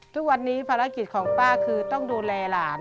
ทุกวันนี้ภารกิจของป้าคือต้องดูแลหลาน